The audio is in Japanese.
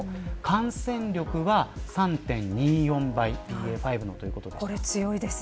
感染力は３．２４倍ということです。